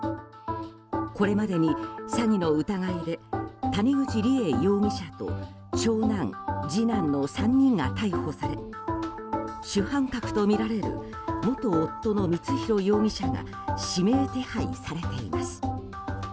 これまでに詐欺の疑いで谷口梨恵容疑者と長男、次男の３人が逮捕され主犯格とみられる元夫の光弘容疑者が指名手配されています。